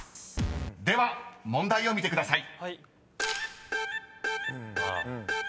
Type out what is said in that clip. ［では問題を見てください］